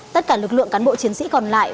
tất cả lực lượng cán bộ chiến sĩ còn lại